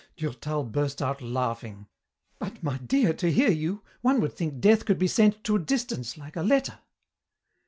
Durtal burst out laughing. "But, my dear, to hear you, one would think death could be sent to a distance like a letter."